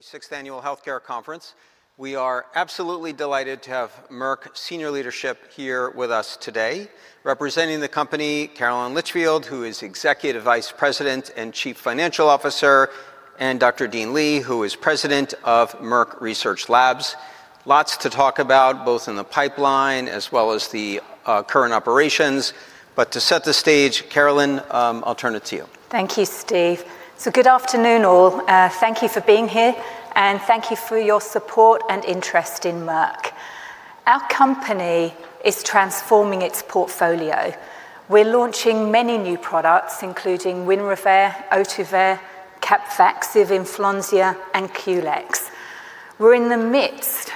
Sixth Annual Healthcare Conference. We are absolutely delighted to have Merck senior leadership here with us today. Representing the company, Caroline Litchfield, who is Executive Vice President and Chief Financial Officer, and Dr. Dean Li, who is President of Merck Research Laboratories. Lots to talk about, both in the pipeline as well as the current operations. To set the stage, Caroline, I'll turn it to you. Thank you, Steve. Good afternoon, all. Thank you for being here, and thank you for your support and interest in Merck. Our company is transforming its portfolio. We're launching many new products, including WINREVAIR, OHTUVAYRE, CAPVAXIVE, INFLUENZA, and QULEX. We're in the midst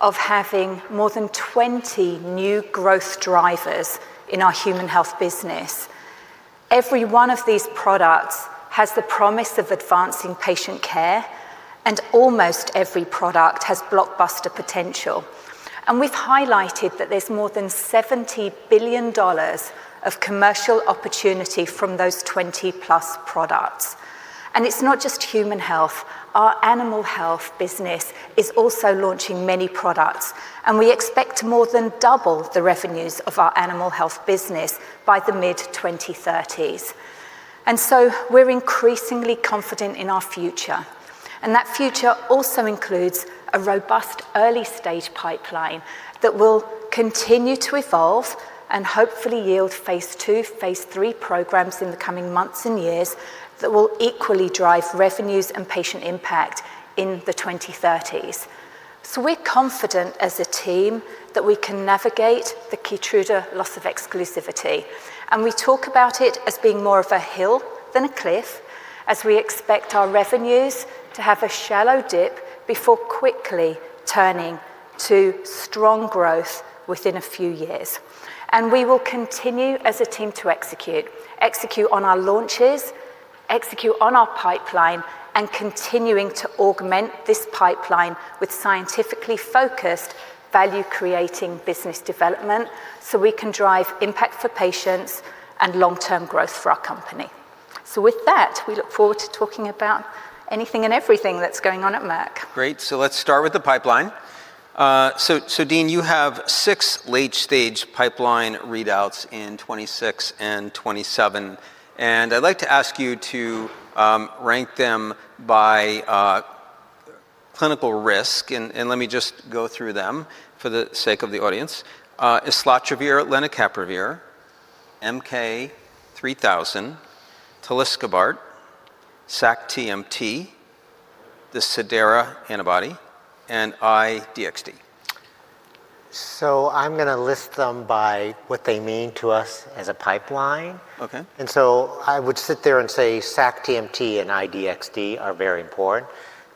of having more than 20 new growth drivers in our human health business. Every one of these products has the promise of advancing patient care, almost every product has blockbuster potential. We've highlighted that there's more than $70 billion of commercial opportunity from those 20+ products. It's not just human health. Our animal health business is also launching many products, and we expect more than double the revenues of our animal health business by the mid-2030s. We're increasingly confident in our future. That future also includes a robust early-stage pipeline that will continue to evolve and hopefully yield phase II, phase III programs in the coming months and years that will equally drive revenues and patient impact in the 2030s. We're confident as a team that we can navigate the KEYTRUDA loss of exclusivity, and we talk about it as being more of a hill than a cliff, as we expect our revenues to have a shallow dip before quickly turning to strong growth within a few years. We will continue as a team to execute. Execute on our launches, execute on our pipeline, and continuing to augment this pipeline with scientifically focused value-creating business development, so we can drive impact for patients and long-term growth for our company. With that, we look forward to talking about anything and everything that's going on at Merck. Great. Let's start with the pipeline. Dean, you have six late-stage pipeline readouts in 2026 and 2027, I'd like to ask you to rank them by clinical risk. Let me just go through them for the sake of the audience: islatravir, lenacapavir, MK-3000, tulisokibart, sac-TMT, the Seagen antibody, and I-DXd. I'm gonna list them by what they mean to us as a pipeline. Okay. I would sit there and say sac-TMT and I-DXd are very important.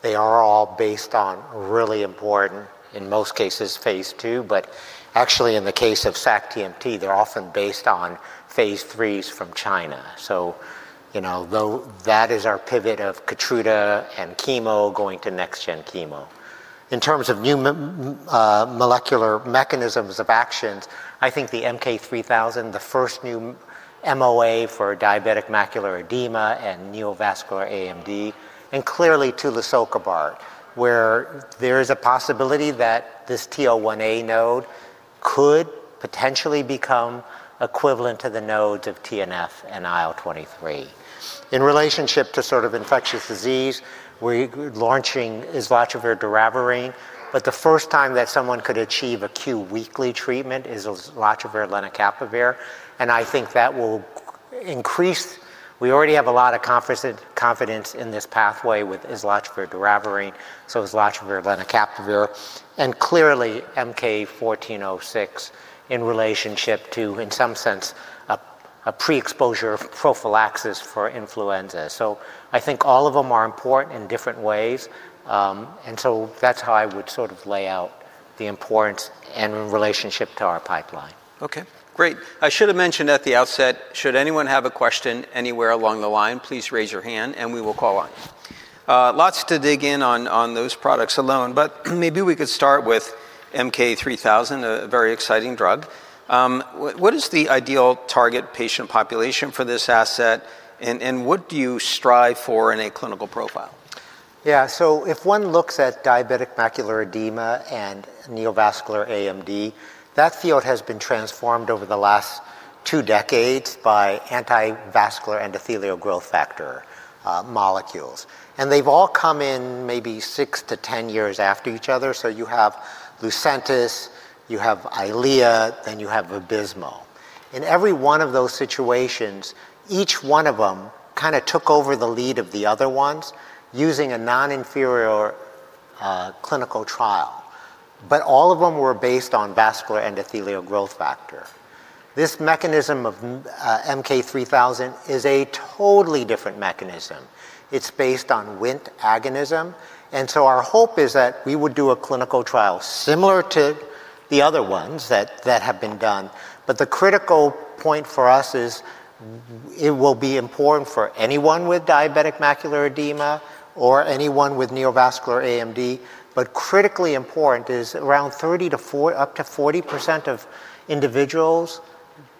They are all based on really important, in most cases, phase II, but actually in the case of sac-TMT, they're often based on phase IIIs from China. You know, though that is our pivot of KEYTRUDA and chemo going to next gen chemo. In terms of new molecular mechanisms of actions, I think the MK-3000, the first new MOA for diabetic macular edema and neovascular AMD, and clearly tulisokibart, where there is a possibility that this TL1A node could potentially become equivalent to the nodes of TNF and IL-23. In relationship to sort of infectious disease, we're launching islatravir, doravirine, but the first time that someone could achieve acute weekly treatment islatravir, lenacapavir, and I think that will increase... We already have a lot of confidence in this pathway with islatravir, doravirine, so islatravir, lenacapavir, and clearly MK-1406 in relationship to, in some sense, a pre-exposure prophylaxis for influenza. I think all of them are important in different ways, that's how I would sort of lay out the importance and relationship to our pipeline. Okay, great. I should have mentioned at the outset, should anyone have a question anywhere along the line, please raise your hand and we will call on you. Lots to dig in on those products alone, but maybe we could start with MK-3000, a very exciting drug. What is the ideal target patient population for this asset, and what do you strive for in a clinical profile? If one looks at diabetic macular edema and neovascular AMD, that field has been transformed over the last two decades by anti-vascular endothelial growth factor molecules. They've all come in maybe 6-10 years after each other, so you have Lucentis, you have EYLEA, and you have VABYSMO. In every one of those situations, each one of them kind of took over the lead of the other ones using a non-inferior clinical trial. All of them were based on vascular endothelial growth factor. This mechanism of MK-3000 is a totally different mechanism. It's based on WNT agonism, our hope is that we would do a clinical trial similar to the other ones that have been done. The critical point for us is it will be important for anyone with diabetic macular edema or anyone with neovascular AMD, but critically important is around 30%-40% of individuals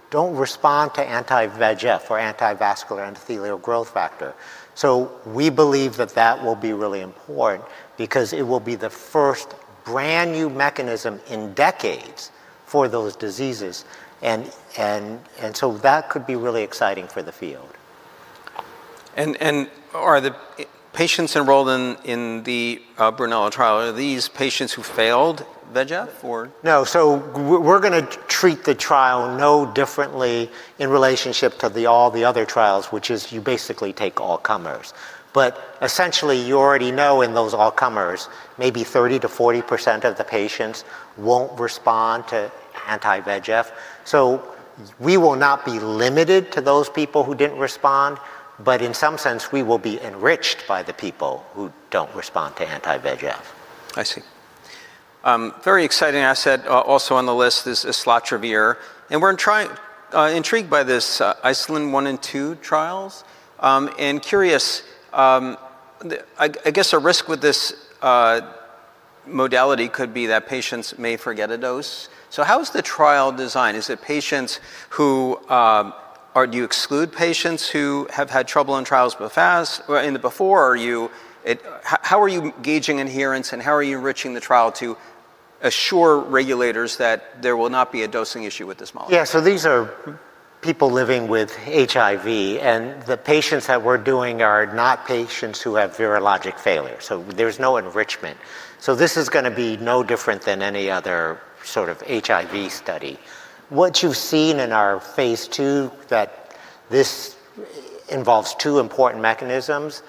don't respond to anti-VEGF or anti-vascular endothelial growth factor. We believe that will be really important because it will be the first brand-new mechanism in decades for those diseases. That could be really exciting for the field. Are the patients enrolled in the BRUNELLO trial, are these patients who failed VEGF or? No. We're gonna treat the trial no differently in relationship to the all the other trials, which is you basically take all comers. Essentially, you already know in those all comers, maybe 30%-40% of the patients won't respond to anti-VEGF. We will not be limited to those people who didn't respond, but in some sense, we will be enriched by the people who don't respond to anti-VEGF. I see. Very exciting asset, also on the list is Islatravir. We're intrigued by this, ICELIN one and two trials. Curious, I guess a risk with this modality could be that patients may forget a dose. How is the trial designed? Is it patients who, or do you exclude patients who have had trouble in trials in the before? How are you gauging adherence, and how are you enriching the trial to assure regulators that there will not be a dosing issue with this molecule? Yeah. These are people living with HIV, and the patients that we're doing are not patients who have virologic failure, so there's no enrichment. This is gonna be no different than any other sort of HIV study. What you've seen in our phase II that this involves two important mechanisms,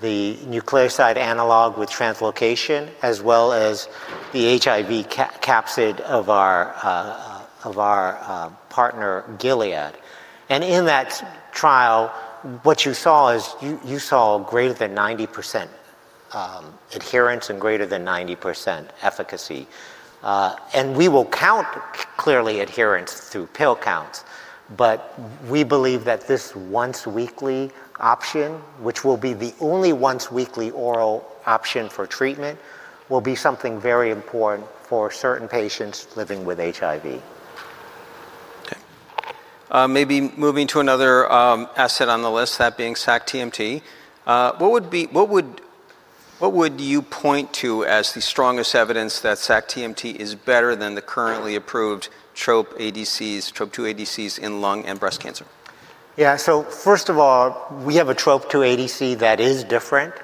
the nucleoside analog with translocation, as well as the HIV capsid of our partner, Gilead. In that trial, what you saw is you saw greater than 90% adherence and greater than 90% efficacy. We will clearly adherence through pill counts, but we believe that this once weekly option, which will be the only once weekly oral option for treatment, will be something very important for certain patients living with HIV. Okay. Maybe moving to another asset on the list, that being SAC-TMT. What would you point to as the strongest evidence that SAC-TMT is better than the currently approved Trop-2 ADCs, Trop-2 ADCs in lung and breast cancer? First of all, we have a Trop-2 ADC that is different.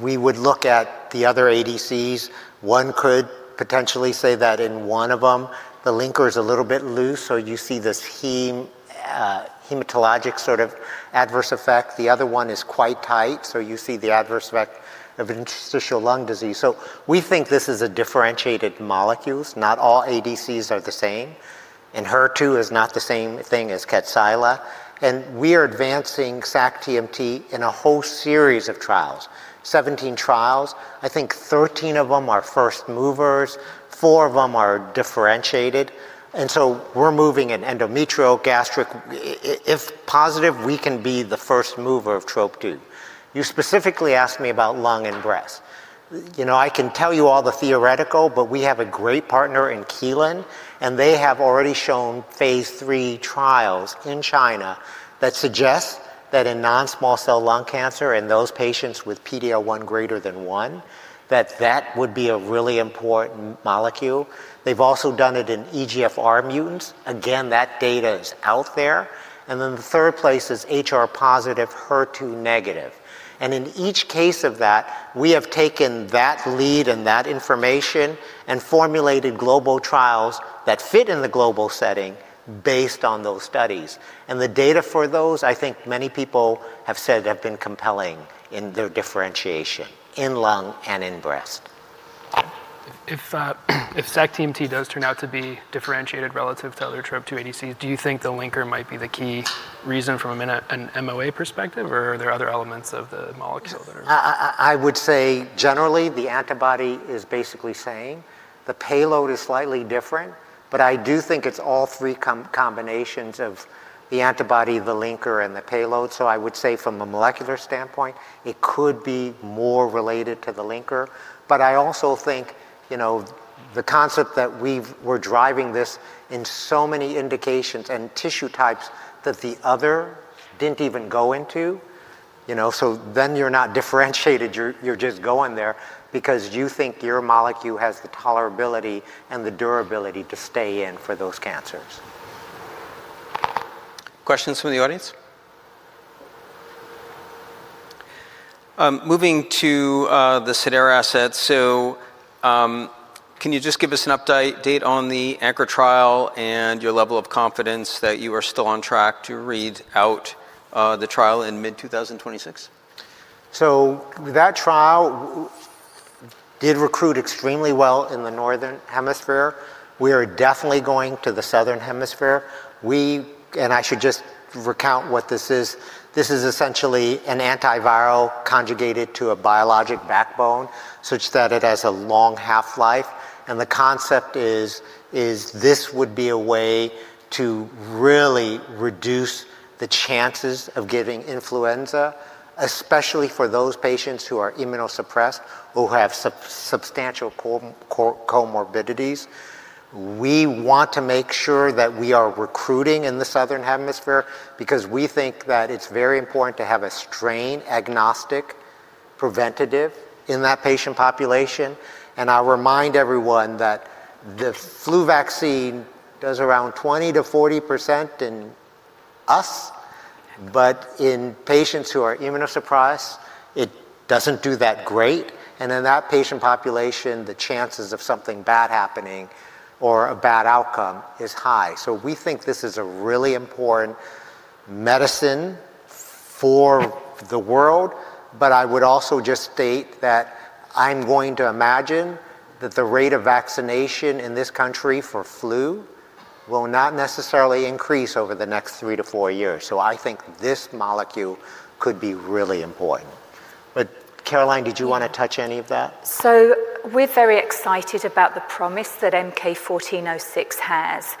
We would look at the other ADCs. One could potentially say that in one of them, the linker is a little bit loose, so you see this heme, hematologic sort of adverse effect. The other one is quite tight, so you see the adverse effect of interstitial lung disease. We think this is a differentiated molecules. Not all ADCs are the same. Enhertu is not the same thing as Kadcyla. We're advancing sac-TMT in a whole series of trials. 17 trials, I think 13 of them are first movers, 4 of them are differentiated. We're moving in endometrial, gastric. If positive, we can be the first mover of Trop-2. You specifically asked me about lung and breast. You know, I can tell you all the theoretical, but we have a great partner in Kelun-Biotech, and they have already shown phase III trials in China that suggest that in non-small cell lung cancer, in those patients with PD-L1 greater than 1, that that would be a really important molecule. They've also done it in EGFR mutants. Again, that data is out there. The third place is HR-positive, HER2-negative. In each case of that, we have taken that lead and that information and formulated global trials that fit in the global setting based on those studies. The data for those, I think many people have said, have been compelling in their differentiation in lung and in breast. If SAC-TMT does turn out to be differentiated relative to other Trop-2 ADCs, do you think the linker might be the key reason from an MOA perspective, or are there other elements of the molecule that are…? Yes. I would say generally the antibody is basically same. The payload is slightly different, but I do think it's all three combinations of the antibody, the linker, and the payload. I would say from a molecular standpoint, it could be more related to the linker. I also think, you know, the concept that we're driving this in so many indications and tissue types that the other didn't even go into, you know. You're not differentiated, you're just going there because you think your molecule has the tolerability and the durability to stay in for those cancers. Questions from the audience? Moving to the Seagen asset. Can you just give us an update on the ANCHOR trial and your level of confidence that you are still on track to read out the trial in mid-2026? That trial did recruit extremely well in the Northern Hemisphere. We are definitely going to the Southern Hemisphere. I should just recount what this is. This is essentially an antiviral conjugated to a biologic backbone such that it has a long half-life. The concept is this would be a way to really reduce the chances of getting influenza, especially for those patients who are immunosuppressed or have substantial comorbidities. We want to make sure that we are recruiting in the Southern Hemisphere because we think that it's very important to have a strain-agnostic preventative in that patient population. I'll remind everyone that the flu vaccine does around 20%-40% in us, but in patients who are immunosuppressed, it doesn't do that great. In that patient population, the chances of something bad happening or a bad outcome is high. We think this is a really important medicine for the world. I would also just state that I'm going to imagine that the rate of vaccination in this country for flu will not necessarily increase over the next three years to four years. I think this molecule could be really important. Caroline, did you wanna touch any of that? We're very excited about the promise that MK-1406 has.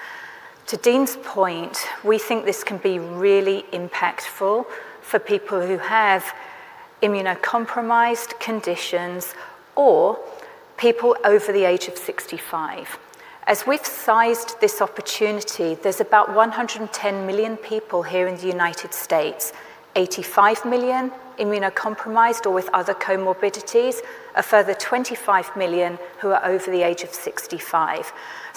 To Dean's point, we think this can be really impactful for people who have immunocompromised conditions or people over the age of 65. As we've sized this opportunity, there's about 110 million people here in the U.S. 85 million immunocompromised or with other comorbidities. A further 25 million who are over the age of 65.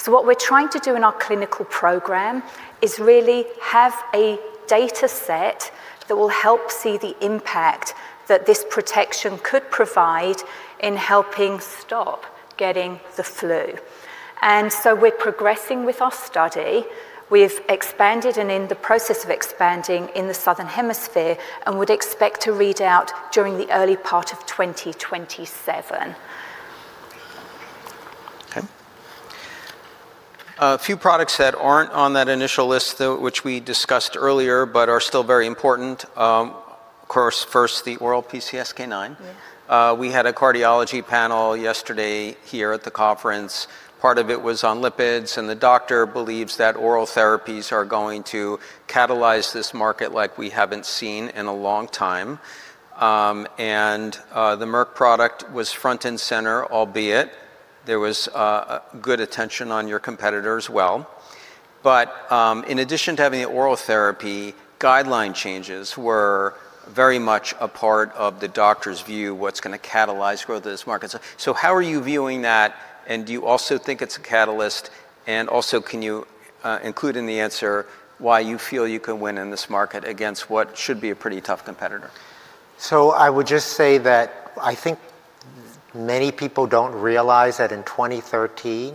What we're trying to do in our clinical program is really have a dataset that will help see the impact that this protection could provide in helping stop getting the flu. We're progressing with our study. We've expanded and in the process of expanding in the Southern Hemisphere, and would expect to read out during the early part of 2027. Okay. A few products that aren't on that initial list though, which we discussed earlier, but are still very important, of course, first the oral PCSK9. Yeah. We had a cardiology panel yesterday here at the conference. Part of it was on lipids, and the doctor believes that oral therapies are going to catalyze this market like we haven't seen in a long time. The Merck product was front and center, albeit there was good attention on your competitor as well. In addition to having the oral therapy, guideline changes were very much a part of the doctor's view what's gonna catalyze growth of this market. How are you viewing that, and do you also think it's a catalyst? Also can you include in the answer why you feel you can win in this market against what should be a pretty tough competitor? I would just say that I think many people don't realize that in 2013,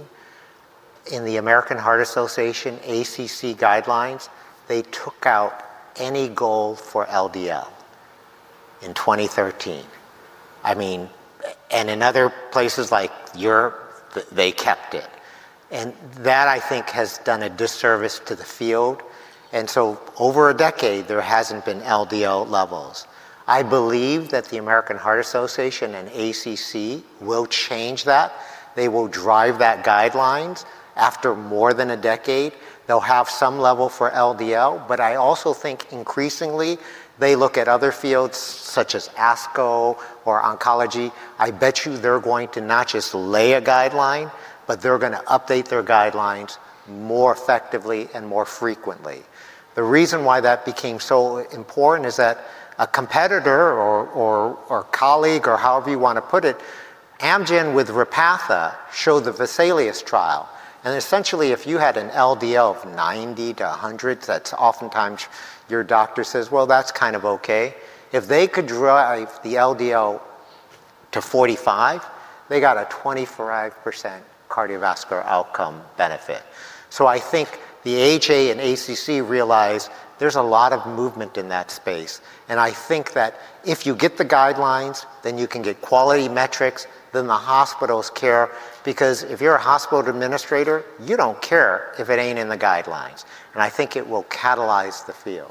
in the American Heart Association ACC guidelines, they took out any goal for LDL. In 2013. I mean, in other places like Europe, they kept it. That I think has done a disservice to the field. Over a decade, there hasn't been LDL levels. I believe that the American Heart Association and ACC will change that. They will drive that guidelines after more than a decade. They'll have some level for LDL, but I also think increasingly they look at other fields such as ASCO or oncology. I bet you they're going to not just lay a guideline, but they're gonna update their guidelines more effectively and more frequently. The reason why that became so important is that a competitor or colleague or however you wanna put it, Amgen with Repatha showed the VESALIUS trial. Essentially, if you had an LDL of 90 to 100, that's oftentimes your doctor says, "Well, that's kind of okay." If they could drive the LDL to 45, they got a 25% cardiovascular outcome benefit. I think the AHA and ACC realize there's a lot of movement in that space. I think that if you get the guidelines, then you can get quality metrics, then the hospitals care. If you're a hospital administrator, you don't care if it ain't in the guidelines. I think it will catalyze the field.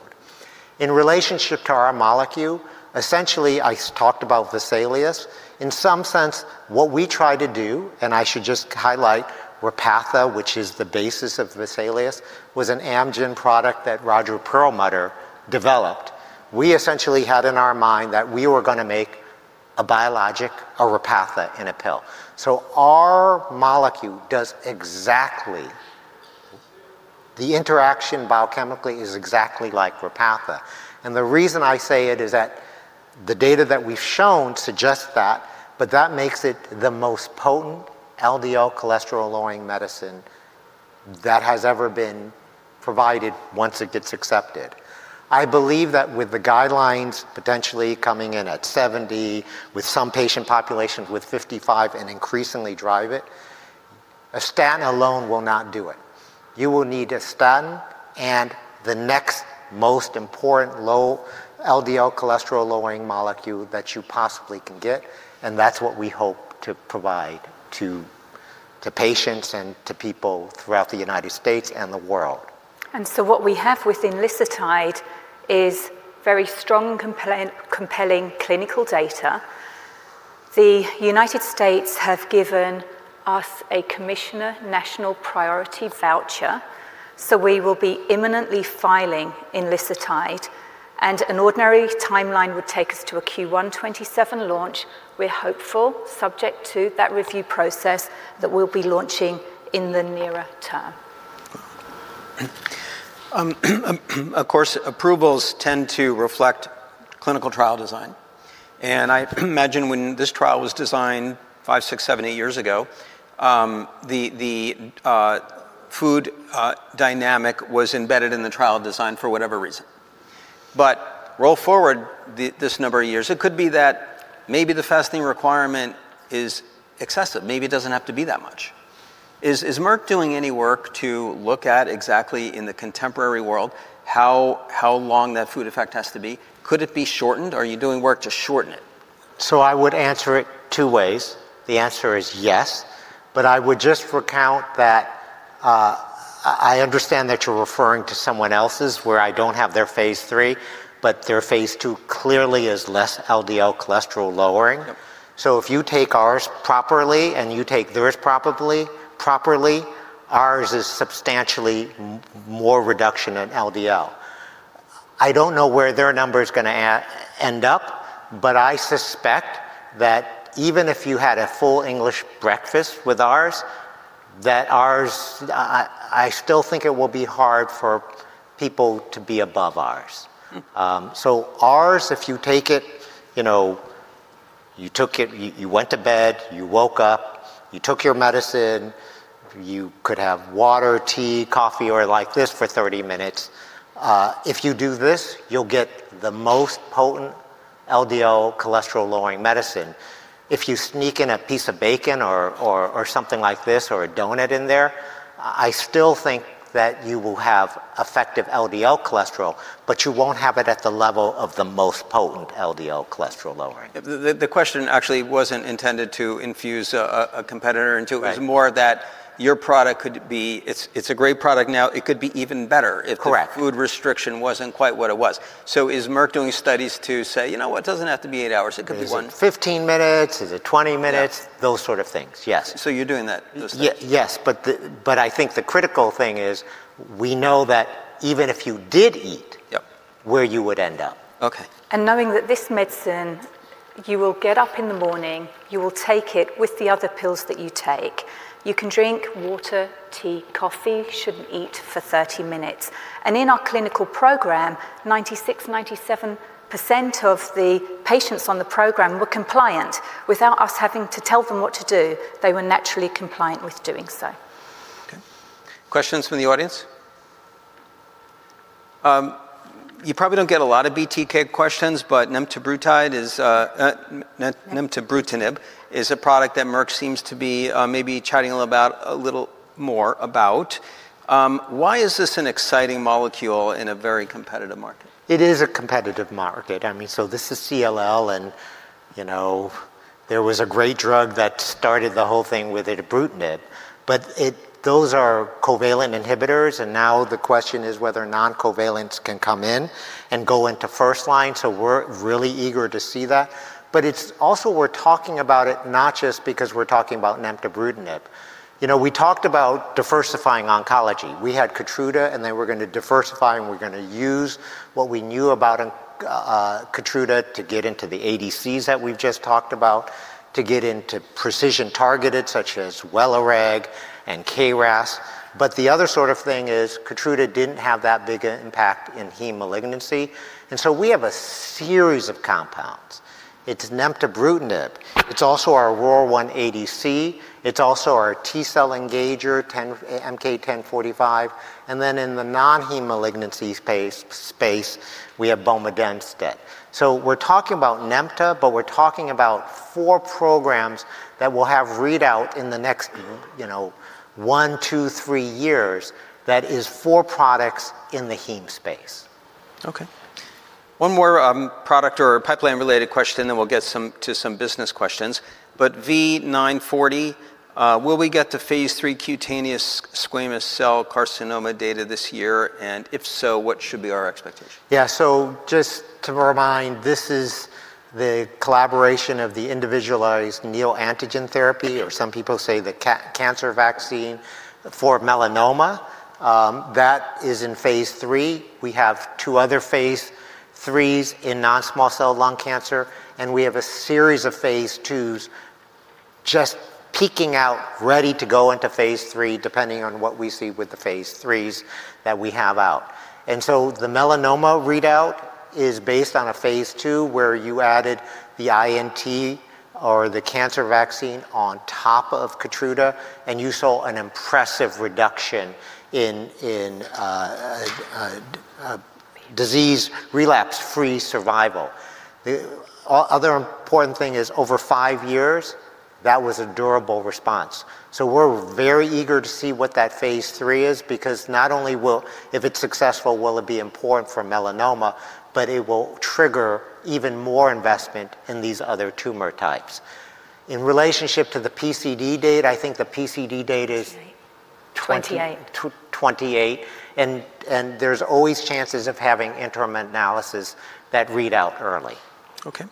In relationship to our molecule, essentially, I talked about VESALIUS. In some sense, what we try to do, I should just highlight Repatha, which is the basis of Vesalius, was an Amgen product that Roger Perlmutter developed. We essentially had in our mind that we were gonna make a biologic, a Repatha in a pill. Our molecule does exactly. The interaction biochemically is exactly like Repatha. The reason I say it is that the data that we've shown suggests that, but that makes it the most potent LDL cholesterol-lowering medicine that has ever been provided once it gets accepted. I believe that with the guidelines potentially coming in at 70, with some patient populations with 55 and increasingly drive it, a statin alone will not do it. You will need a statin and the next most important low LDL cholesterol-lowering molecule that you possibly can get, and that's what we hope to provide to patients and to people throughout the United States and the world. What we have with inclisiran is very strong compelling clinical data. The U.S. have given us a Priority Review Voucher, so we will be imminently filing inclisiran. An ordinary timeline would take us to a Q1 2027 launch. We're hopeful, subject to that review process, that we'll be launching in the nearer term. Of course, approvals tend to reflect clinical trial design. I imagine when this trial was designed five years, six years, seven years, eight years ago, the food dynamic was embedded in the trial design for whatever reason. Roll forward this number of years, it could be that maybe the fasting requirement is excessive. Maybe it doesn't have to be that much. Is Merck doing any work to look at exactly in the contemporary world, how long that food effect has to be? Could it be shortened? Are you doing work to shorten it? I would answer it two ways. The answer is yes, but I would just recount that, I understand that you're referring to someone else's where I don't have their phase III, but their phase II clearly is less LDL cholesterol lowering. Yep. If you take ours properly and you take theirs probably properly, ours is substantially more reduction in LDL. I don't know where their number is gonna end up, but I suspect that even if you had a full English breakfast with ours, that ours. I still think it will be hard for people to be above ours. Mm. Ours, if you take it, you know, you took it, you went to bed, you woke up, you took your medicine. You could have water, tea, coffee, or like this for 30 minutes. If you do this, you'll get the most potent LDL cholesterol-lowering medicine. If you sneak in a piece of bacon or something like this or a donut in there, I still think that you will have effective LDL cholesterol, but you won't have it at the level of the most potent LDL cholesterol lowering. The question actually wasn't intended to infuse a competitor into it. Right. It was more that your product could be. It's a great product now. It could be even better. Correct ...if the food restriction wasn't quite what it was. Is Merck doing studies to say, "You know what? It doesn't have to be eight hours. It could be one. Is it 15 minutes? Is it 20 minutes? Yeah. Those sort of things, yes. You're doing that, those studies? Yes, I think the critical thing is we know that even if you did. Yep ...where you would end up. Okay. Knowing that this medicine, you will get up in the morning, you will take it with the other pills that you take. You can drink water, tea, coffee. You shouldn't eat for 30 minutes. In our clinical program, 96%, 97% of the patients on the program were compliant. Without us having to tell them what to do, they were naturally compliant with doing so. Okay. Questions from the audience? You probably don't get a lot of BTK questions, but nemtabrutinib is a product that Merck seems to be maybe chatting a little more about. Why is this an exciting molecule in a very competitive market? It is a competitive market. I mean, this is CLL, and, you know, there was a great drug that started the whole thing with ibrutinib, but those are covalent inhibitors, and now the question is whether non-covalents can come in and go into first line. We're really eager to see that. It's also we're talking about it not just because we're talking about nemtabrutinib. You know, we talked about diversifying oncology. We had KEYTRUDA, and then we're gonna diversify, and we're gonna use what we knew about KEYTRUDA to get into the ADCs that we've just talked about, to get into precision targeted, such as Welireg and KRAS. The other sort of thing is KEYTRUDA didn't have that big i-impact in hematologic malignancy. We have a series of compounds. It's nemtabrutinib. It's also our ROR1 ADC. It's also our T-cell engager, MK-1045. In the non-heme malignancy space, we have bomedemstat. We're talking about nemta, but we're talking about four programs that will have readout in the next, you know, one, two, three years, that is four products in the heme space. Okay. One more, product or pipeline-related question, then we'll get to some business questions. V940, will we get the phase III cutaneous squamous cell carcinoma data this year, and if so, what should be our expectation? Yeah. Just to remind, this is the collaboration of the individualized neoantigen therapy, or some people say the cancer vaccine for melanoma, that is in phase III. We have two other phase IIIs in non-small cell lung cancer. We have a series of phase IIs just peeking out, ready to go into phase III, depending on what we see with the phase IIIs that we have out. The melanoma readout is based on a phase II, where you added the INT or the cancer vaccine on top of KEYTRUDA, and you saw an impressive reduction in disease relapse-free survival. The other important thing is over 5 years, that was a durable response. We're very eager to see what that phase III is because not only if it's successful, will it be important for melanoma, but it will trigger even more investment in these other tumor types. In relationship to the PCD date, I think the PCD date is- Twenty-eight ...twen- Twenty-eight ...2028, and there's always chances of having interim analysis that read out early. Okay.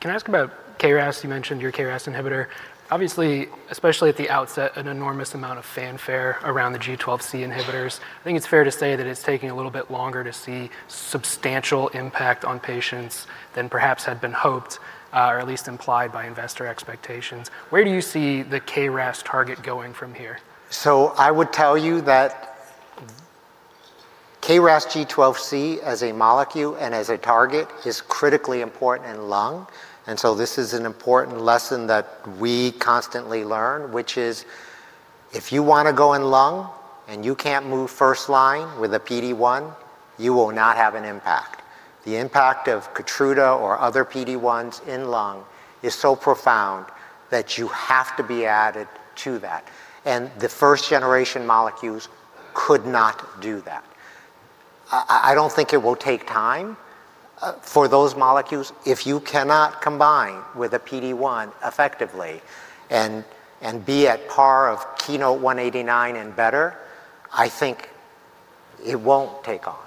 Can I ask about KRAS? You mentioned your KRAS inhibitor. Obviously, especially at the outset, an enormous amount of fanfare around the G12C inhibitors. I think it's fair to say that it's taking a little bit longer to see substantial impact on patients than perhaps had been hoped, or at least implied by investor expectations. Where do you see the KRAS target going from here? I would tell you that KRAS G12C as a molecule and as a target is critically important in lung, and so this is an important lesson that we constantly learn, which is if you wanna go in lung and you can't move first line with a PD-1, you will not have an impact. The impact of KEYTRUDA or other PD-1s in lung is so profound that you have to be added to that, and the first-generation molecules could not do that. I don't think it will take time for those molecules. If you cannot combine with a PD-1 effectively and be at par of KEYNOTE-189 and better, I think it won't take off.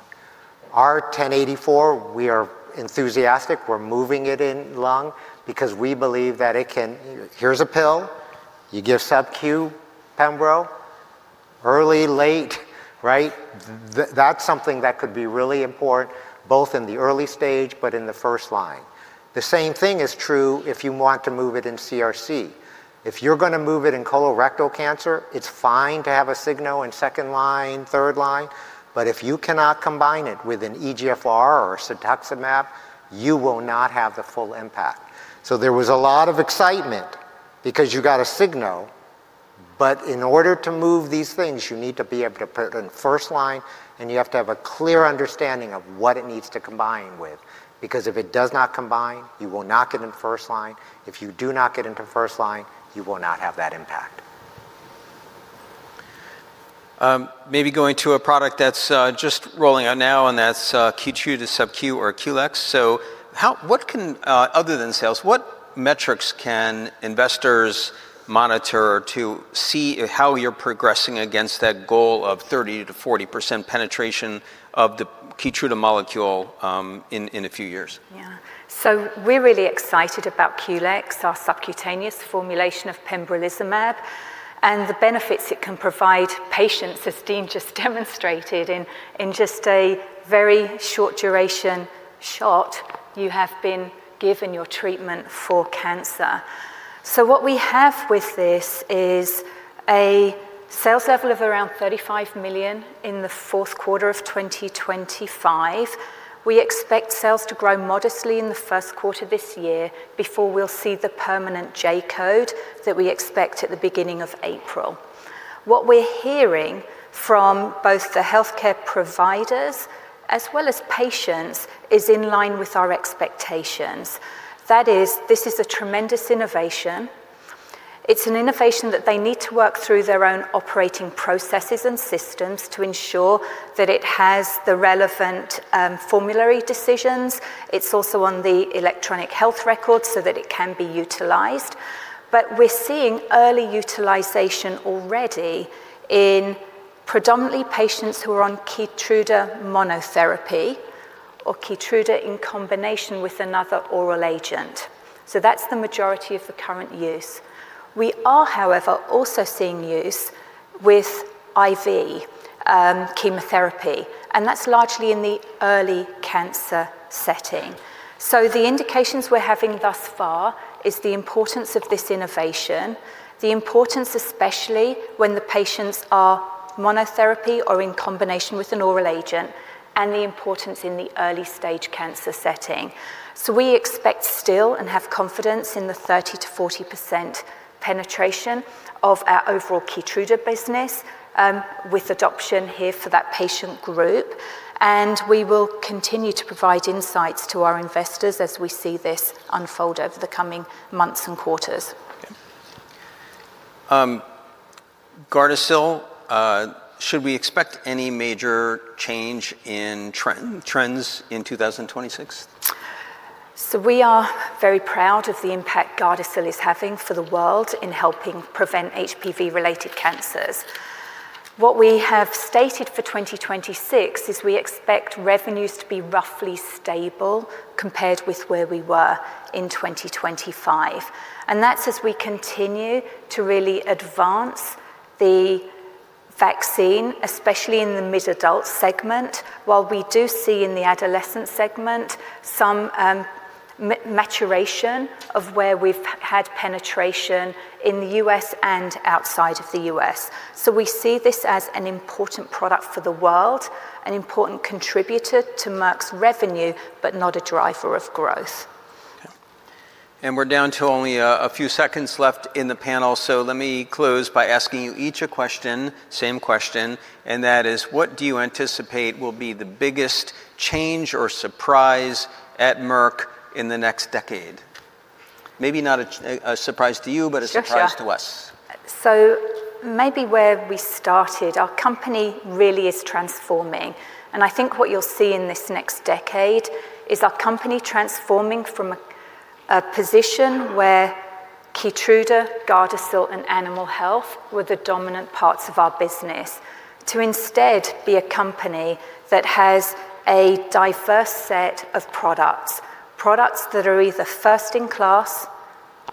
Our 1084, we are enthusiastic. We're moving it in lung because we believe that it can. Here's a pill. You give sub-Q pembro, early, late, right? That's something that could be really important both in the early stage but in the first line. The same thing is true if you want to move it in CRC. If you're gonna move it in colorectal cancer, it's fine to have a signal in second line, third line, but if you cannot combine it with an EGFR or cetuximab, you will not have the full impact. There was a lot of excitement because you got a signal, but in order to move these things, you need to be able to put it in first line, and you have to have a clear understanding of what it needs to combine with. Because if it does not combine, you will not get in first line. If you do not get into first line, you will not have that impact. Maybe going to a product that's just rolling out now, and that's KEYTRUDA QLEX. What can Other than sales, what metrics can investors monitor to see how you're progressing against that goal of 30%-40% penetration of the KEYTRUDA molecule, in a few years? Yeah. We're really excited about QLEX, our subcutaneous formulation of pembrolizumab, and the benefits it can provide patients, as Dean just demonstrated, in just a very short duration shot, you have been given your treatment for cancer. What we have with this is a sales level of around $35 million in the fourth quarter of 2025. We expect sales to grow modestly in the first quarter this year before we'll see the permanent J-code that we expect at the beginning of April. What we're hearing from both the healthcare providers as well as patients is in line with our expectations. That is, this is a tremendous innovation. It's an innovation that they need to work through their own operating processes and systems to ensure that it has the relevant formulary decisions. It's also on the electronic health record so that it can be utilized. We're seeing early utilization already in predominantly patients who are on KEYTRUDA monotherapy or KEYTRUDA in combination with another oral agent. That's the majority of the current use. We are, however, also seeing use with IV chemotherapy, and that's largely in the early cancer setting. The indications we're having thus far is the importance of this innovation, the importance especially when the patients are monotherapy or in combination with an oral agent, and the importance in the early stage cancer setting. We expect still and have confidence in the 30%-40% penetration of our overall KEYTRUDA business with adoption here for that patient group, and we will continue to provide insights to our investors as we see this unfold over the coming months and quarters. Okay. Gardasil, should we expect any major change in trends in 2026? We are very proud of the impact Gardasil is having for the world in helping prevent HPV-related cancers. What we have stated for 2026 is we expect revenues to be roughly stable compared with where we were in 2025, and that's as we continue to really advance the vaccine, especially in the mid-adult segment, while we do see in the adolescent segment some maturation of where we've had penetration in the U.S. and outside of the U.S. We see this as an important product for the world, an important contributor to Merck's revenue, but not a driver of growth. Okay. We're down to only a few seconds left in the panel. Let me close by asking you each a question, same question, and that is, what do you anticipate will be the biggest change or surprise at Merck in the next decade? Maybe not a surprise to you. Sure, sure.... a surprise to us. Maybe where we started, our company really is transforming, I think what you'll see in this next decade is our company transforming from a position where KEYTRUDA, Gardasil, and Animal Health were the dominant parts of our business to instead be a company that has a diverse set of products that are either first in class,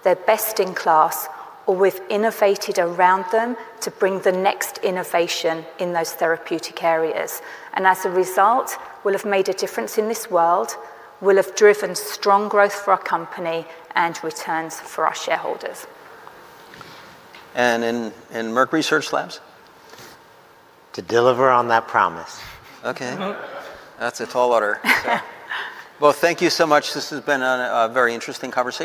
they're best in class, or we've innovated around them to bring the next innovation in those therapeutic areas. As a result, we'll have made a difference in this world, we'll have driven strong growth for our company and returns for our shareholders. In Merck Research Laboratories? To deliver on that promise. Okay. That's a tall order. Well, thank you so much. This has been a very interesting conversation.